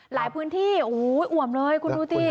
หลายพื้นที่โอ้โหอ่วมเลยคุณดูสิ